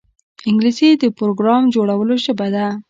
انګلیسي د پروګرام جوړولو ژبه ده